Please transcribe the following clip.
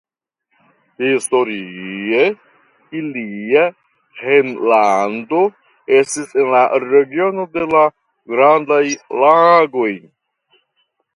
Historie ilia hejmlando estis en la regiono de la Grandaj Lagoj.